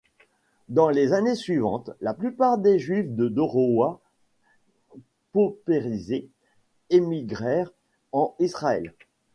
Dans les années suivantes, la plupart des juifs de Dorohoi, paupérisés, émigrèrent en Israël.